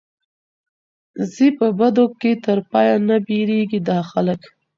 ځي په بدو کي تر پايه نه بېرېږي دا خلک